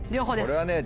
これはね